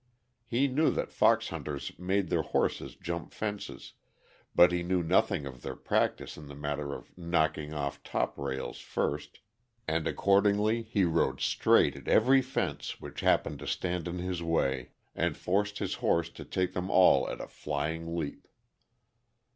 He knew that fox hunters made their horses jump fences, but he knew nothing of their practice in the matter of knocking off top rails first, and accordingly he rode straight at every fence which happened to stand in his way, and forced his horse to take them all at a flying leap.